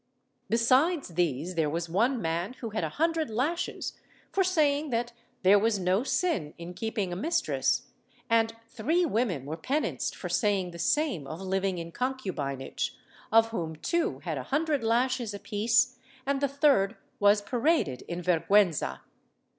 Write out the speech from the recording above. Besides these there was one man who had a hundred lashes for saying that there was no sin in keeping a mistress, and three women were penanced for saying the same of living in concubinage, of whom two had a hundred lashes apiece and the third was paraded in vergiienza.